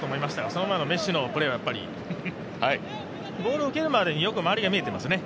その前のメッシのプレーは、やっぱり、ボールを受ける前によく見えていますね。